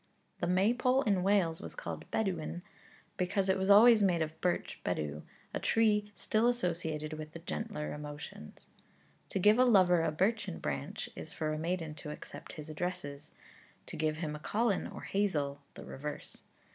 The Maypole in Wales was called Bedwen, because it was always made of birch, bedw, a tree still associated with the gentler emotions. To give a lover a birchen branch, is for a maiden to accept his addresses; to give him a collen, or hazel, the reverse.